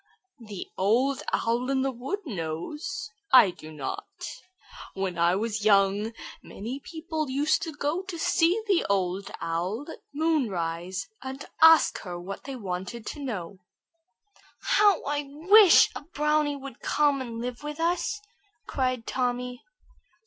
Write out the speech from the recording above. "The Old Owl in the woods knows; I do not. When I was young many people used to go to see the Old Owl at moon rise, and ask her what they wanted to know." "How I wish a brownie would come and live with us!" cried Tommy.